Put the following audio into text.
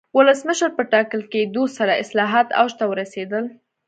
ولسمشر په ټاکل کېدو سره اصلاحات اوج ته ورسېدل.